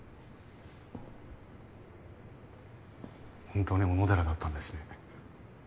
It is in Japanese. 本当に小野寺だったんですね